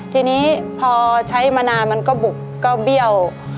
ทีนี้พอใช้มานานมันก็บุกก็เบี้ยว